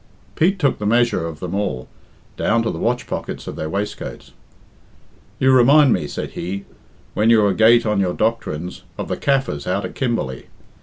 Pete took the measure of them all, down to the watch pockets of their waistcoats. "You remind me," said he, "when you're a gate on your doctrines, of the Kaffirs out at Kimberley.